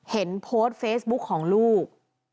เห็นโพสต์เฟซบุ๊กของลูก